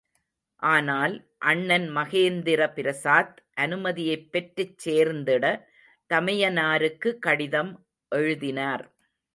ஆனால், அண்ணன் மகேந்திர பிரசாத் அனுமதியைப் பெற்றுச் சேர்ந்திட தமையனாருக்கு கடிதம் எழுதினார்.